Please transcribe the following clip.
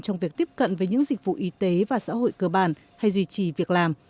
trong việc tiếp cận với những dịch vụ y tế và xã hội cơ bản hay duy trì việc làm